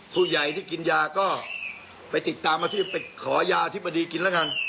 ผู้ใหญ่ที่กินยาก็ไปติดตามอทศรฯไปขอยาอธิบายแทนที่กินแล้วกัน